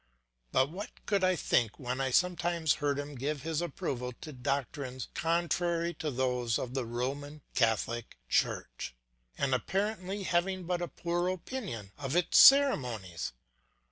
But what could I think when I sometimes heard him give his approval to doctrines contrary to those of the Roman Catholic Church, and apparently having but a poor opinion of its ceremonies.